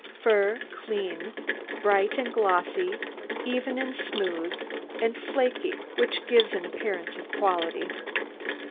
Fur clean, bright and glossy, even and smooth, and flakey, which gives an appearance of quality.